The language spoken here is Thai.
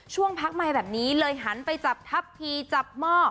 พักใหม่แบบนี้เลยหันไปจับทัพทีจับหม้อ